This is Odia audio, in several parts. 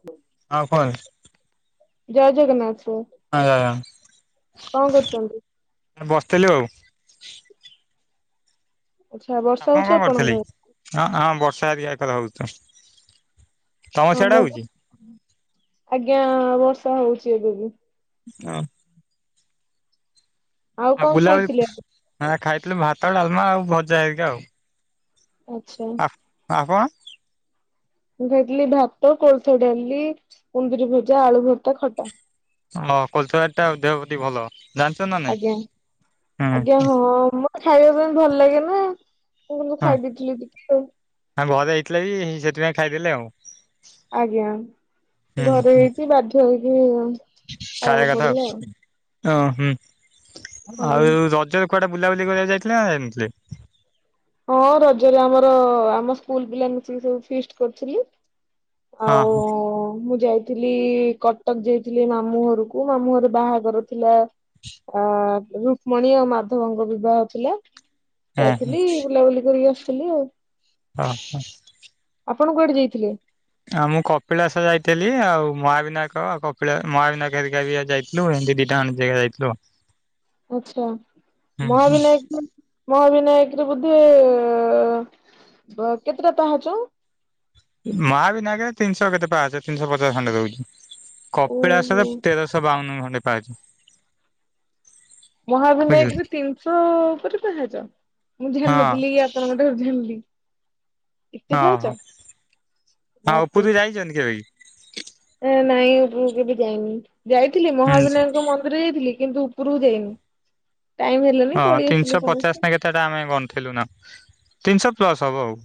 ହଁ। ହଁ କହ [inaudible] ଜୟ ଜଗନ୍ନାଥ ସାର। ଆଃ ବସିଥିଲୁ ଆଉ। ଆଚ୍ଛା ବର୍ଷା ଆପଣ ହଉଛି କଣ କରିଥିଲେ? ଆପଣଙ୍କ ହଁ ହଁ ବର୍ଷା ହେରିକା ଏକଥା ହଉଛ। ହଁ ମୁଁ ଆଜ୍ଞା ବର୍ଷା ହଉଛି ଏବେବି। ହଁ। ଆଉ କଣ ବୁଲାବୁଲି ଖାଇଥିଲେ? ଆଁ ଖାଇଥିଲୁ ଭାତ ଡାଲମା ଆଉ ଭଜା ହେରିକା ଆଉ। ଆଚ୍ଛା। ଆ ଆପଣ? ମୁଁ ଖାଇଥିଲି ଭାତ କୋଳଥ ଡାଲି କୁନ୍ଦୁରି ଭଜା ଆଳୁ ଭର୍ତ୍ତା ଖଟା। ହଁ କୋଲଥ ଡାଲିଟା ଦେହ ପ୍ରତି ଭଲ। ଜାଣିଛ ନା ନାଇଁ? ଆଜ୍ଞା ହୁଁ ଆଜ୍ଞା ହଁ ମ ଖାଇବା ପାଇଁ ଭଲ ଲାଗେ ନା ମୁଁ କିନ୍ତୁ ଖାଇ ଦେଇଥିଲି ଟିକେ ଆଉ। ଆମ ଘରେ ହେଇଥିଲେ ବି ସେଥିପାଇଁ ଖାଇଦେଲେ ଆଉ। ଆଜ୍ଞା ହୁଁ ଘରେ ହୁଁ ହେଇଛି ବାଧ୍ୟ ହେଇକି ଖାଇବା ଖାଇବାକୁ କଥା ପଡିଲା ଆଉ ଆଉ ଓ ହୁଁ ଆଜ୍ଞା। ଆଉ ରଜରେ କୁଆଡେ ବୁଲାବୁଲି କରିବାକୁ ଯାଇଥିଲେ ନାଁ ଯାଇ ନଥିଲେ? ହଁ ରଜରେ ଆମର ଆମ ସ୍କୁଲ ପିଲା ମିଶିକି ସବୁ ଫିଷ୍ଟ କରିଥିଲି। ହଁ ଆଉ ମୁଁ ଯାଇ ଥିଲି କଟକ ଯାଇଥିଲି ମାମୁଁ ଘରକୁ ମାମୁଁ ଘରେ ବାହାଘର ଥିଲା। ଆ ରୁକ୍ମଣୀ ଆଉ ମାଧବଙ୍କ ବିବାହ ଥିଲା ହଁ ହଁ ଯାଇଥିଲି। ବୁଲାବୁଲି କରିକି ଆସଥିଲି ଆଉ। ଓ ହ। ଆପଣ କୁଆଡେ ଯାଇଥିଲେ? ଆଉ ମୁଁ କପିଳାସ ଯାଇଥିଲି ଆଉ ମହାବିନାୟକ ଆଉ କପିଳା ମହାବିନାୟକ ହେରିକା ବି ଯାଇଥିଲି। ଥିଲୁ ହେନ୍ତି ଦିଟା ଜାକ ଜାଗା ଯାଇଥିଲୁ ଆଉ। ଆଛା ମହାବିନାୟକ ବି ମହା ବିିନାୟକ ରେ ବୁଧେ କେତେଟା ପାହାଚ? ମହାବିନାୟକ ରେ ତିନିଶହ କେତେ ପାହାଚ ତିନିଶହ ପଚାଶ ଖଣ୍ଡେ ରହୁଛି। ଓହୋ କପିଳାସରେ ତେରଶହ ବାଉନ ଖଣ୍ଡେ ପାହଚ। ମହାଭିିନାୟକ ରେ ତିନିଶହ ଉପରେ ପାହାଚ ମୁଁ ହଁ ଜାନିନଥିଲି ଆପଣଙ୍କ [inaudible] ଏତେ ଓହୋ ପାହାଚ ବାପ ରେ। ଦେଖିଛନ୍ତି କେବେ କି? ଏ ନାଇଁ ଉପର କୁ କେବେ ଯାଇନି ଯାଇଥିଲି ହୁଁ ମହାବିନାୟକ ମନ୍ଦ ଥରେ ଯାଇଥିଲି କିନ୍ତୁ ଉପରକୁ ଯାଇନି ଟାଇମ ହେଲାନି ହଁ ପଳେଇ ତିନିଶହ ଆସିଲୁ ପଚାଶ ନା ସମସ୍ତେ। କେତେଟା ଆମେ ଗଣିଥିଲୁ ନା ତିନିଶହ ପ୍ଲସ୍ ହବ ଆଉ।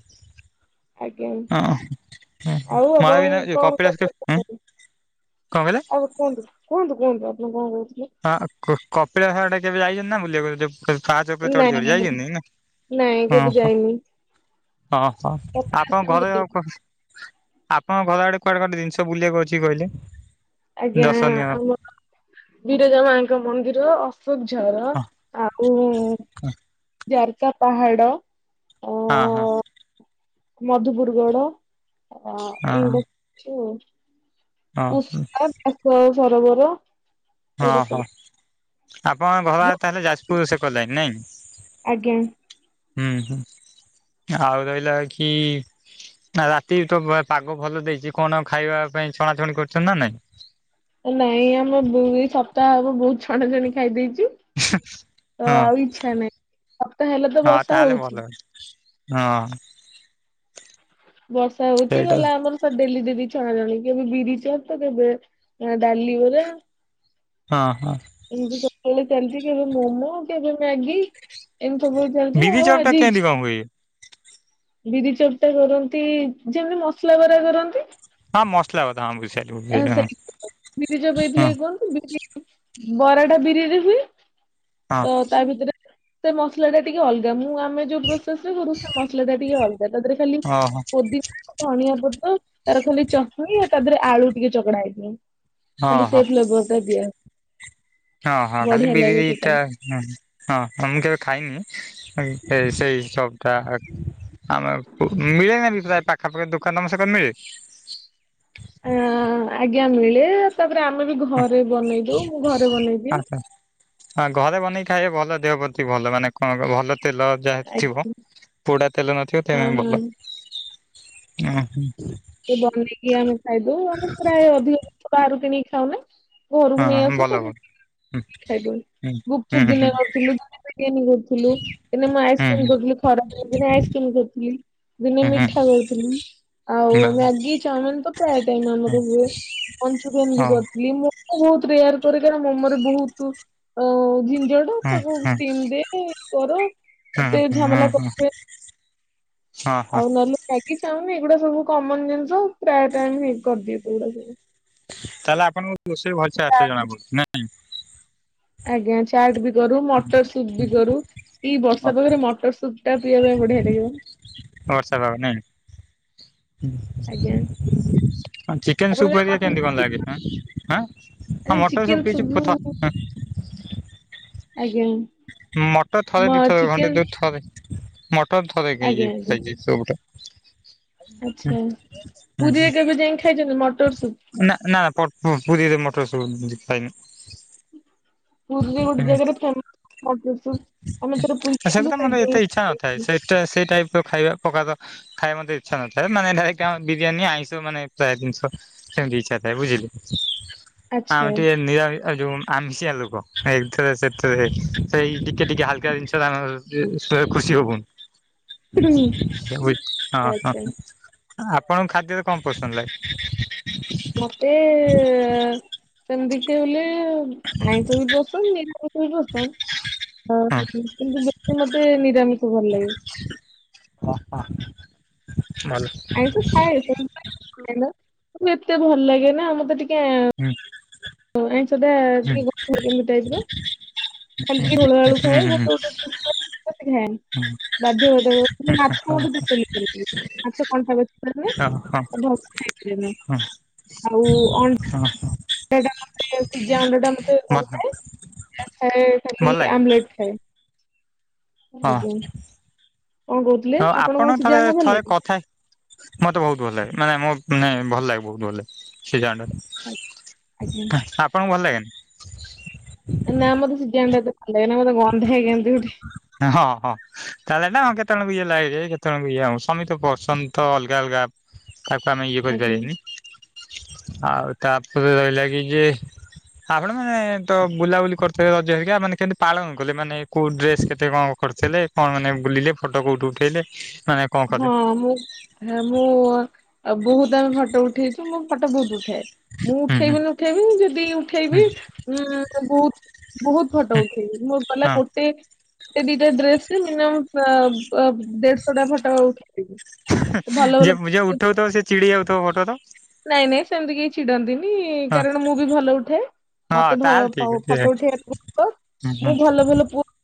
ଆଜ୍ଞା। ହ ହ ଆଉ ଆପଣ ମହାବିନାୟକ କଣ କପିଳାସ କେବେଏଁ କରିବାକୁ କଣ କହିଲେ? ଆଉ କୁହନ୍ତୁ କୁହନ୍ତୁ କୁହନ୍ତୁ ଆପଣ କଣ କହୁଥିଲେ? ହଁ କପିଳାସ ଆଡେ କେବେ ଯାଇଛନ୍ତି ନା ବୁଲିବାକୁ ଯୋଉ। ଫାହାଚ ଉପରେ ଚଢି ଚଢି ନାଇଁ ଯାଇଛନ୍ତି ନାଇଁ କେବେ ନାଁ? ଯାଇନି ହଁ ହଁ କପିଳାସ ଆପଣ କେବେ ଘରେ ଆଉ ଯାଇନି। ଆପଣଙ୍କ ଘର ଆଡେ କୁଆଡେ ଗୋଟେ ଜିନିଷ ବୁଲିବାକୁ ଅଛି କହିଲେ? ଆଜ୍ଞା ଦର୍ଶନୀୟ ହଁ ଆମର ବିରଜା ମାଙ୍କ ମନ୍ଦିର। ସୁବଝର ଆଉ ଯାର୍କା ପାହାଡ। ହଁ ହଁ। ମଧୁପୁର ଗଡ ଅ ଏଇଗୁଡା ହଁ ଅଛି। କୁଷୁମା ବ୍ୟାସସରବର। ହଁ ହଁ ଆପଣ ଘର ଯୋଉ- ତାହେଲେ ଯାଜପୁର ସେ କଲେଣି ନାଇଁ। ଆଜ୍ଞା। ହୁଁ ହୁଁ ଆଉ ରହିଲା ବାକି। ନା ରାତି ତ ବା ପାଗ ଭଲ ଦେଇଛି କଣ ଖାଇବା ପାଇଁ ଛଣାଛଣି କରିଛନ୍ତି ନା ନାଇଁ। ନାଇଁ ଆମେ ଦୁଇ ସପ୍ତାହ ହବ ବହୁତ ଛଣା ଛଣି ଖାଇଦେଇଚୁ। ତ ହଁ ଆଉ ଇଚ୍ଛା ନାହିଁ ସପ୍ତାହ ହେଲେ ତ ବର୍ଷା ହଉଛି। ହ। [unintelligible] ହଁ। ବର୍ଷା ହଉଚି ସେଇଟା ଗଲା ଆମର। ଡେଲି ଡେଲି ଛଣା ଛଣି କେବେ ବିରିଚ ତ କେବେ ଅ -ଡାଲି ବରା। ହଁ ହଁ। ଏମତିଳେ ଚାଲିଛି କେବେ ମୋମୋ କେବେ ମ୍ୟାଗି। ଏମିତି ସବୁବେଳେ ଚାଲିଛି ବିରି ଆଉ ଚପ୍ ଟା ଆଜି କେମିତି କଣ ଇଚ୍ଛା ହୁଏ? ବିରି ଚପଟା କରନ୍ତି ଯେମିତି ମସଲା ବରା କରନ୍ତି। ହଁ ମସଲା ବରା ହ ବୁଝିଲି। ଏ ସେ ମିରିଜାପଇଥିଲ [unintelligible] କଣ। ବିରି ବରା ଟା ବିରିରେ ହୁଏ ହଁ ତ ତା ଭିତରେ ସେ ମସଲା ଟା ଟିକେ ଅଲଗା ମୁଁ ଆମେ ଯୋଉ ପ୍ରୋସେସ ରେ ପୁରା କରୁ ସେ ମସଲା ଟା ଟିକେ ଅଲଗା। ତା ଦେହରେ ଖାଲି ଓହୋ ପୋଦିନା ଧଣିଆ ପତ୍ର ତାର ଖାଲି ଚଟଣି ତା ଦେହରେ ଆଳୁ। ଟିକେ ଚକଡ଼ା ହେଇଥିବ ହଁ ଖାଲି ହଁ ସେ ଫ୍ଲେବର ଟା ଦିଆ। ହଁ ହଁ ଖାଲି ବଢିଆ ଲାଗେ ସେଟା। ବିରିଇଟା। ହଁ ହଁ ମୁ ମୁଁ କେବେ ଖାଇନି ସେଇି ଚକଟା। ଆମ ମିଳେ ନା ବି ପ୍ରାୟ ପାଖାପାଖି ଦୋକାନ ତମସେ ଏକରେ ମିଳେ। ଆ ଆଜ୍ଞା ମିଳେ ତାପରେ ଆମେ ବି ଘରେ ବନେଇ ଦଉ ମୁଁ ଘରେ ବନେଇଦିଏ। ଆଚ୍ଛା ହଁ ଘରେ ବନେଇି ଖାଇବେ ଭଲ ଦେହ ପ୍ରତି ଭଲ ମାନେ କଣ ଭଲ ତେଲ। ଯାହା ଥିବ ଆଜ୍ଞା ପୋଡା ତେଲ ନଥିବ ତେପାଇ ହଁ ହଁ ଭଲ ଓ। ଏ ବନେଇକି ଆମେ ଖାଇଦଉ ଆମେ ପ୍ରାୟ ଅଧିକ ଜିନିଷ ବାହାରୁ କିଣିକି ଖାଉନା। ଘରକୁ ହଁ ନେଇଆସୁ ଭଲ ଭଲ। ତାବେ। ଖାଇଦେଉ ହୁଁ ହୁଁ ଗୁପଚୁପ ଦିନେ ହୁଁ କରୁଥିଲୁ ଦିନେ ବିରୀୟାନି କରିଥିଲୁ। ଦିନେ ମୁଁ ହୁଁ ଆଇସ୍କ୍ରିମ କରିଥିଲି ଖରା ଦିନେ ଆଇସ୍କ୍ରିମ କରୁଥିଲି ଦିନେ ହୁଁ ହୁଁ ହୁଁ ମିଠା କରିଥିଲି। ଆଉ ହୁଁ ମ୍ୟାଗି ଚାଉମିନ ତ ପ୍ରାୟ ଟାଇମ୍ ଆମର ହୁଏ ମଞ୍ଚୁରିଆନ ବି ହଉ। କରିଦିଏ ମୁଁ। ମୁଁ ବହୁତ ରେୟାର କରେ କରଣ ମୋମରେ ବହୁତ ଅ ଝିଞ୍ଜଟ୍। ତ ତାକୁ ଷ୍ଟିମ୍ ଦେ ଇଏ କର ହୁଁ ଏତେ ହୁଁ ଝାମେଲା ହୁଁ ହୁଁ ହୁଁ ହୁଁ ହଁ କର। ହଁ ଆଉ ନହଲେ ମ୍ୟାଗି ଚାଓମିନ୍ ଏଇଗୁଡା ସବୁ କମନ ଜିନିଷ ପ୍ରାୟ ଟାଇମ୍ କରିଦିଏ ସେଗୁଡା ସବୁ। ତାହେଲେ ଆପଣଙ୍କୁ ରୋଷେଇ ଭଲସେ ଆସେ ଚାଟ ଜଣା ପଡୁଛି ନାଇଁ। ଆଜ୍ଞା ଚାଟ୍ ବି କରୁ ମଟର ସୁପ୍ ବି କରୁ ଏଇ ବର୍ଷା ପା ଗରେ ମଟର ସୁପ ଟା ପିଇବା ପାଇଁ ବଢିଆ ଲାଗିବ [unintelligible] ନାଇଁ ଆଜ୍ଞା ଆଉ ଚିକେନ୍ ଆପଣ ସୁପ୍ କେବେ ଅରିଆ ମଟର କେମିତି ସୁପ୍ କଣ ଲାଗେ ଆଁ ପିଇଛନ୍ତି? ଆଁ ଆଁ ହଁ ମୋଟର ଚିକେନ ସବୁ ସୁପ୍ ପିଛି ପଥ ବି- ହ ଆଜ୍ଞା। ମଟର ଥରେ ମ ଦି ଥର ଘଣ୍ଟେ ଚିକେନ ଦୂଇ ଥରେ ମଟର ଥରେ ଆଜ୍ଞା ଖାଇଛି ଆଜ୍ଞା ଯାଇଚି। ସୂପ୍ ଟା। ଆଚ୍ଛା ପୁରୀରେ କେବେ ଯାଇ ଖାଇଛନ୍ତି ମଟର ସୁପ। ନା ନା ପୁରୀରେ ମୋଟର ସୂପ ଖାଇନି। ପୁରୀ ରେ ଗୋଟେ ହୁଁ ଜାଗାରେ ଫେ ମ ମଟର ସୁପ ଆମେ ଥରେ ପୁରୀ ଯାଇଥିଲୁ ସେଇଟି ଥାଇ ସେଇଟା ସେଇ ଟାଇପ୍ର ଖାଇବା ପ୍ରକାର ତ ଖାଇ ମତେ ଇଚ୍ଛା ନଥାଏ ମାନେ ଆମ ବିରିୟାନୀ ଆଇଁସ ମାନେ ପ୍ରାୟ ଜିନିଷ। ସେମିତି ଇଚ୍ଛା ଥାଏ ବୁଝିଲେ। ଆମେ ଆଚ୍ଛା ଟିକେ ନିରାମ ଯୋଉ ଆମିଷଆ ଲୋକଏଥି ରେ ସେଥିରେ ସେଇ ଟିକ ଟିକେ ହାଲକା ଜିନିଷ ଟିକେ ଖୁସି ହବୁନି। [unintelligible] ହଁ ଆଚ୍ଛା। ହ ଆପଣଙ୍କ ଖାଦ୍ୟରେ କଣ ପସନ୍ଦ ଲାଗେ। ମତେ ସେମିତି ଦେଖିବାକୁ ଗଲେ ଆଇଁଶ ବି ପସନ୍ଦ ନିରାମିଷ ବି ପସନ୍ଦ। ହଁ କିନ୍ତୁ ବ ମତେ ନିରାମିଷ ଭଲ ଲାଗେ। ଓ ହ ଭଲ। ଆଇଁଶ ଖାଏ ଏତେ ଭଲ ଲାଗେ ନା ମତେ ଟିକେ ହୁଁ। ଆଇଁଷ ଟା ହୁଁ କେମିତି ଟାଇପ୍ ର। ଖାଲି ଟିକେ ଝୋଳ ଆଳୁ ହୁଁ ଖାଏ [unintelligible] ଖାଏନି। ବାଧ୍ୟ ହୋଇଥା ମାଛ ହଁ ମତେ ଟୋଟାଲ ଇଚ୍ଛା ନାହିଁ ମାଛ କଣ୍ଟା ବିଲେ ହଁ ହଁ [unintelligible] ଖାଇ ନା ହଁ ଆଉ ଅ ହଁ। ସେଟା ମୋତେ ସିଜା ଅଣ୍ଡାଟା। ସେ ଭଲ କରୁଥାଏ ଭଲ ଖାଲି ଲାଗେ ଆମଲେଟ ଖାଏ। ଆଜ୍ଞା। କଣ କହୁଥିଲେ ତ ଆପଣଙ୍କୁ ଆପଣ ସିଝା ଥରେ ଅଣ୍ଡା ଭଲ ଥରେ ଲାଗେ? କ ଥା ମତେ ବହୁତ ଭଲ ଲାଗେ ମାନେ ମୋ ମାନେ ଭଲ ଲାଗେ ବହୁତ ଭଲ ଲାଗେ ସେ ଆଜ୍ଞା। ଜଣଟା। ଆପଣଙ୍କୁ ଭଲ ଲାଗେ ନା। ନା ମତେ ସିଯା ଅଣ୍ଡା ଭଲ ଲାଗେ ନା ମତେ ଗନ୍ଧାଏ କେମତି ଗୋଟେ। ହଁ ହଁ। ତାହେଲେ ନା ହଁ କେତେବେଳକୁ ଇଏ ଲାଗେ କେତେବେଳ ଇଏ ହଉ ସମୀ ତ ପସନ୍ଥ ଅଲଗା ଅଲଗା। ତାକୁ ଆମେ ଇଏ ଆଜ୍ଞା। କରିପାରିବାନି। ଆଉ ତାପରେ ରହିଲା କି ଯେ ଆପଣ ମାନେ ତ ବୁଲାବୁଲି କରିଥିଲେ ରଜ ହେରିକି ମାନେ କେମିତି ପାଳନ କଲେ ମାନେ କୋଉ ଡ୍ରେସ କେତ୍ ସେ କଣ କରିଥିଲେ କଣ ମାନେ ବୁଲିଲେ ଫଟୋ କୋଉଠି ଉଠେଇଲେ ମାନେ କଣ କଲେ ହଁ ମୁଁ ହେ ମୁଁ ଅ ବହୁତ ଆମେ ଫଟୋ ଉଠେଇଛୁ ମୁଁ ଫଟୋ ବହୁତ ଉଠାଏ। ମୁଁ ହୁଁ ଉଠେଇବି ନି ହୁଁ ଉଠେଇବିନି ଯଦି ଉଠେଇବି ଉଁ ବହୁତ ବହୁତ ଫଟ ହୁଁ ଉଠେଇବି ମୁ ଗଲେ ହଁ ଗୋଟେ ଟେ ଦିଟା ଡ୍ରେସରେ ମିନିମମ୍ ବା ଆ ଦେଢଶହ ଟା ଫଟ ଉଠେଇବି। ଯେଏ ଯିଏ ଉଠଉ ଥିବ ସେ ଚିଡି ଯାଉ ତ ଫଟ ତ। ନାଇଁ ନାଇଁ ସେମିତି କେହି ଚିଡନ୍ତିନି ହଁ କାରଣ ମୁଁ ବି ଭଲ ଉଠାଏ। ହଁ ମତେ ଭ ଭଉ ଫଟୋ ଉଠାଇବାକୁ ତ ହଁ ହଁ।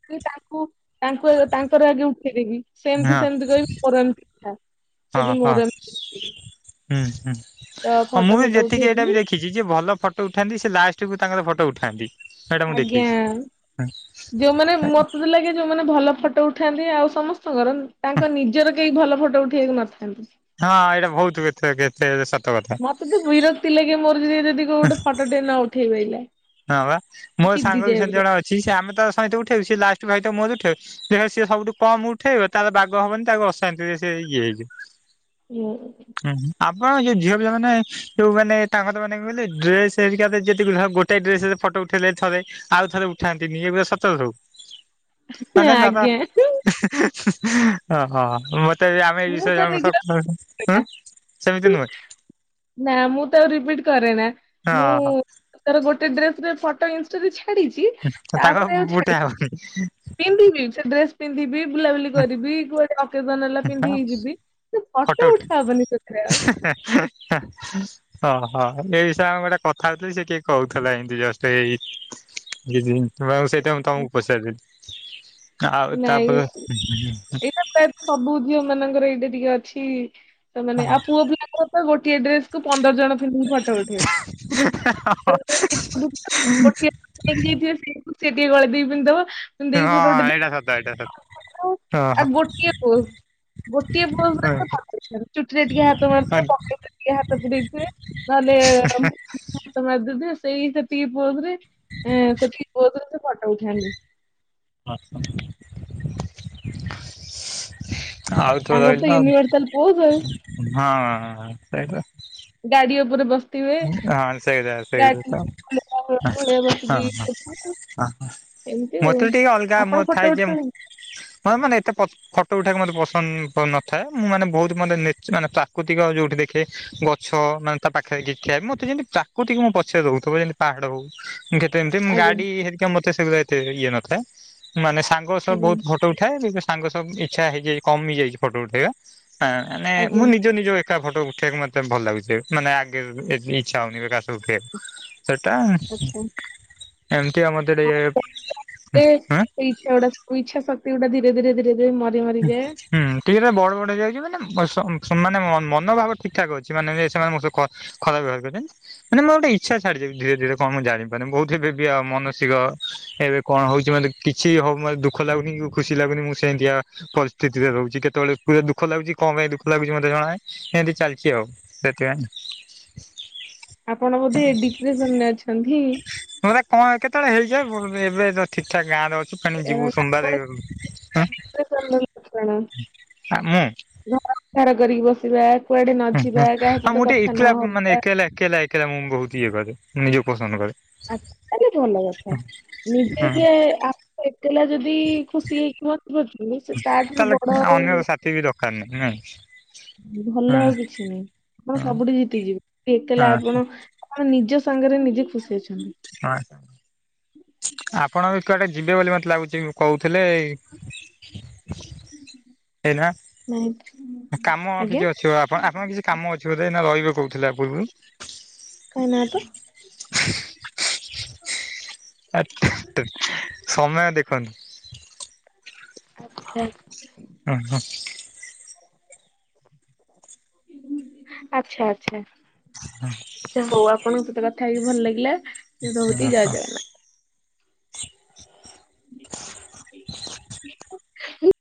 କି ତାଙ୍କୁ ତାଙ୍କୁ ତାଙ୍କର ଆଗେ ଉଠେଇ ଦେଇକି ସେମିତି ହଁ ସେମତି କହିବି ମୋର ଏମତି ସେ ହଁ ହଁ ମୋର ଏମତି ହୁଁ ହୁଁ ତ ହଁ ମୁଁ ଫଟୋ ବି ଫଟୋ ଯେତିକି ଏଇଟା ଉଠେଇଥିଲି ବି ଦେଖିଛି ଯି ଯିଏ ଭଲ ଫଟୋ ଉଠାନ୍ତି ସେ ଲାଷ୍ଟକୁ ତାଙ୍କର ଫଟୋ ଉଠାନ୍ତି। ସେଇଟା ମୁଁ ଆଜ୍ଞା ଦେଖିଛି ଯୋଉମାନେ ମତ ସେଥି ଲାଗୀ ଯୋଉମାନେ ଭଲ ଫଟୋ ଉଠାନ୍ତି ଆଉ ସମସ୍ତଙ୍କର ତାଙ୍କ ନିଜର କେହି ଭଲ ଫଟୋ ଉଠେଇ ବାକୁ ନଥାନ୍ତି। ହଁ ଏଇଟା ବୋହୁତ୍ [unintelligible] ଏତେ ସତ କଥା। ମତେ ବିରକ୍ତି ଲାଗେ ମୋର ଯଦି ଗୋଟେ ଫଟୋ ଟେ ନ ଉଠେଇଲେ। ହଁ ବା ମୋର ସାଙ୍ଗ ବି ସେମତି ଜଣେ ଅଛି ସେ ଆମେ ତା ସହିତ ଉଠେଇବୁ ସେ ଲାଷ୍ଟ ଭାଇତ ମୋ ଉଠେଇ ସେଟା ସେ ସବୁଠୁ କମ୍ ଉଠେଇବେ ତାର ବାଘ ହବନି ତାକୁ ଅଶାନ୍ତି ସେ ଇଏ ହେଇଯିବେ। ହୁଁ, ହୁଁ ଆପଣ ଯୋଉ ଝିଅ ପିଲା ମେ ଯୋଉ ମାନେ ତାଙ୍କର ମାନେ ଡ୍ରେସ୍ ହାରିକା ଗୋଟେ ଡ୍ରେସ୍ ରେ ଫଟୋ ଉଠେଇଲେ ଥରେ ଆଉ ଥରେ ଉଠାନ୍ତିନି। ଏ ଗୁଡା ସତ ସବୁ? ମାନେ ଦବା ଆଜ୍ଞା ଓହୋ ମ ତେବେ ଆମେ ଏଇ ମୁଁ ବିଷୟରେ ତ ଜଣଙ୍କ ନିଜେ ସହଁ ସେମିତି ନୁହେଁ। ନା ମୁଁ ତ ଆଉ ରିପିଟ୍ କରେନା। ମୁଁ ଓହୋ ତର ଗୋଟେ ଡ୍ରେସ୍ ରେ ଫଟ ଯଦି ଛାଡିଛି ତାଙ୍କ ତାପରେ ଆଉ ଛାଡି [unintelligible] ପିନ୍ଧିବି ସେ ଡ୍ରେସ୍ ପିନ୍ଧିବି। ବୁଲାବୁଲି କରିବି। କୁଆଡ଼େ ଅକେଜନ୍ ହେଲା ପିନ୍ଧିକି ଯିବି ଫଟୋ ଉଠା ହବନି ସେଥିରେ ଆଉ। [unintelligible] ଓହୋ ଏଇ ବିଷୟରେ ଆମେ ଗୋଟେ କଥା ହଉଥିଲି ସେ କିଏ କହୁଥିଲା ଏମତି ଜଷ୍ଟ ଏଇ ସେଇଟା ମୁଁ ତମକୁ ପଚାରୁଚି। ଆଉ ତାପରେ ପ୍ର ସବୁ ଝିଅ ମାନଙ୍କର ଏଇଟା ଟିକେ ଅଛି, ସେମାନେ ହଁ ଆଉ ପୁଅ ପିଲାଙ୍କର ଆ ଗୋଟିଏ ଡ୍ରେସ୍ କୁ ପନ୍ଦର ଜଣ ପିନ୍ଧିକି ଫଟ ଉଠେଇବେ ଯାଇଥିବେ ସିଏ ଟିକେ ଗଳେଇ ଦେଇ ପିନ୍ଧଦବ ହଁ ଏଇଟା ସତ ଏଇଟା ସତ। ଏକ ହଁ ଆଉ ଗୋଟିଏ ପୋଜ୍। ଗୋଟିଏ ପୋଜ୍ ରେ ଫୋଟ ଉଠେଇବ, ଚୁଟିରେ ଟିକେ ହାତ ହଁ ମାରାରୁଥିବେ, ପ୍ୟାକେଟ୍ ରେ ଟିକେ ହାତ ପୁରେଇଥିବେ। ନ ହେଲେ ହାତ ମାରିଦେଇ ଥିବେ, ସେଇ ସେତିକି ପୋଜ୍ ରେ ସେତିକି ପୋରେ ସେ ଫଟ ଉଠାନ୍ତି। [unintelligible] ଆଉଥ ତାଙ୍କର ତ ରହିଲା ୟୁନିଭର୍ସାଲ ପୋଜ୍ ଆଉ ଆ ହଁ ସେଇତ ଗାଡି ଉପରେ ବସ ସିଏ ହଁ ସେଇଟା ସେଇଟା ତ ହଁ [unintelligible] ବସିକି ହଁ ହଁ ଏମିତି ଆଉ ମତେ ଟିକେ ଅଲଗା ଆପଣ ମୋ ଥାଏ ଫଟୋ ଯେ ଉଠାନ୍ତି ମାନେ ଏତେ ଫଟୋ ଉଠେବାକୁ ମୋତେ ପସନ୍ଦ ନ ନଥାଏ, ମୁଁ ମାନେ ବୋହୁତ୍ ମାନେ ନେଚୁ- ପ୍ରାକୃତିକ ଯୋଉଠି ଦେଖେ ଗଛ ମାନେ ତା ପାଖରେ କିଏ ଠିଆ ମତେ ଯେମିତି ପ୍ରାକୃତିକ ମୋ ପଛରେ ରହୁଥିବ, ଯେମିତି ପାହାଡ ହୋଉ କେତେ ଏମିତି ମୁଁ ଆଜ୍ଞା ଗାଡି ହେରିକା ମତେ ସେଗୁଡ଼ା ଏତେ ଇଏ ନଥାଏ। ମାନେ ସାଙ୍ଗ ସାଙ୍ଗ ସହ ଆଜ୍ଞା ବୋହୁତ୍ ଫଟୋ ଉଠାଏ। କିନ୍ତୁ ସାଙ୍ଗ ସହ ଇଚ୍ଛା ହେଇଯାଏ କମି ଯାଇଯାଇଛି ଫଟୋ ଉଠେଇବା। ହ ମାନେ ମୁଁ ଆଜ୍ଞା ନିଜ ନିଜ ଏକା ଫଟୋ ଉଠେଇବାକୁ ମତେ ଭଲ ଲାଗୁଚି ମାନେ ଏବେ ଏ ଇଚ୍ଛା ହୋଉନି କାହା ସହ ଉଠାଇବାକୁ। ସେଟା ଆଚ୍ଛା ଏମିତି ଆମ ଏ ଟିକେ, ଏ ଏଇ ଇଚ୍ଛାଗୁଡା ଇଚ୍ଛା ଶକ୍ତିଗୁଡା ଧିରେ ଧିରେ ଧିରେ ଧିରେ ଯେ ଏଇ ମରି ମରି ଉଁ ହୁଁ। ଟିକେ ହେରା ବଡ଼ ବଡ଼ ହେଇଯାଉଚି ମାନେ ମ ସ ସେମାନେ ମନ ମନଭାବ ଠିକ୍ ଠାକ୍ ଅଛି ମାନେ ଯେ ସେମାନେ ମୋ ସହ କ ଖରାପ ବ୍ୟବହାର କରି ମାନେ ମୁଁ ଆଉ ଗୋଟେ ଇଚ୍ଛା ଛାଡିଯାଉଚି ଧୀରେ ଧୀରେ କଣ ମୁଁ ଜାଣିପାରୁନି ବୌଦ୍ଧିକ ବି ଆଉ ମାନସିକ ଏବେ କଣ ହୋଉଚି ମତେ କିଛି ହୋଉ ମତେ ଦୁଃଖ ଲାଗୁନି କି ଖୁସି ଲାଗୁନି ମୁଁ ସେମତିଆ ପରିସ୍ଥିତିରେ ରହୁଚି କେତେବେଳେ ପୁରା ଦୁଃଖ ଲାଗୁଚି କଣ ମାଇଁ ଦୁଃଖ ଲାଗୁଚି ମତେ ଜଣା ଏମତି ଚାଲଚି ଆଉ। ସେଥି ପାଇଁ ଆପଣ ବୋଧେ ଏ ଡିପ୍ରେସନରେ ଅଛନ୍ତି? ମତେ କଣ କେତେବେଳେ ହେଇଯାଏ ବୋ ଏବେ ତ ଠିକଠାକ ଗାଁରେ ଅଛୁ ତେଣିକ ଯିବୁ ସୋମବାରେ ଉଁ ସେ ସେମିତି [unintelligible] ଆଁ ମୁଁ ଘର [unintelligible] କରିକି ବସିବା। କୁଆଡେ ନ ହୁଁ ହୁଁ ଯିବା କାହା ଆଉ ସହିତ ମୁଁ ଟିକେ କଥା ନ ଏକଲା ମାନେ ହବା। ଏକେଲା ଏକେଲା ଏକେଲା ମୁଁ ବୋହୁତ ଇଏ କରେ ମୁଁ ନିଜକୁ ପସନ୍ଦ କରେ। ଆଛା ତା ବି ଭଲ କଥା ନିଜେ ହୁଁ ଯେ ଆ ଏକେଲା ଯଦି ଖୁସି ହେଇକି [unintelligible] ସେ ତାଠାରୁୁ ବଡ ଆଉ କାର ନାହିଁ ନା ଭଲ ଆଉ କିଛି ନାହିଁ ଆପଣ ହଁ ସବୁଠି ଜିତିଯିବେ ଏକେଲା ଆପଣ ଆପଣ ନିଜ ସାଙ୍ଗରେ ନିଜେ ଖୁସି ଅଛନ୍ତି। ହଁ ଆପଣ ବି କୁଆଡେ ଯିବେ ବୋଲି ମତେ ଲାଗୁଚି କୋହୁଥିଲେ? ଏଇନା। ନାଇଁ କାମ ଆଜ୍ଞା କିଛି ଅଛିି ପା ଆପଣ ଆପଣଙ୍କର କିଛି କାମ ଅଛି ବୋଧେ ଏଇନା ରହିବେ କୋହୁଥୁଲେ ଆ ପୂର୍ବରୁ। କାଇଁ ନାଁ ତ। ଆଁ ସମୟ ଦେଖନ୍ତୁ। ଆଚ୍ଛା। ଅଁହଁ। ଆଚ୍ଛା ଆଚ୍ଛା। ଆଚ୍ଛା ହୋଉ ଆପଣଙ୍କ ସହିତ କଥା ହେଇକି ଭଲ ଲାଗିଲା ଏ ହଁ, ରହୁଚି ହଁ। ଜୟ ଜଗନ୍ନାଥ। ଉଁ